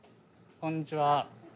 こんにちは。